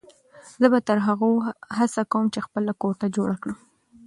زه به تر هغو هڅه کوم چې خپله کوټه جوړه کړم.